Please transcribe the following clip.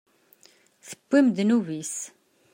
Tewwim ddnub-is.